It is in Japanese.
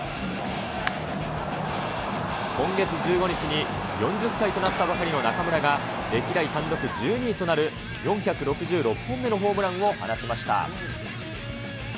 今月１５日に４０歳となったばかりの中村が、歴代単独１２位となる４６６本目のホームランを放ちました。